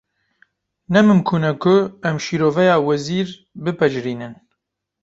Ne mimkûn e ku em şîroveya wezîr bipejirînin